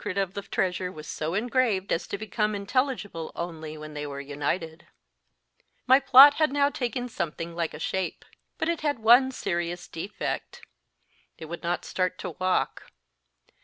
274 MY FIRST BOOK of the treasure was so engraved as to become intelligible only when they were united. My plot had now taken something like a shape ; but it had one serious defect. It would not start to walk.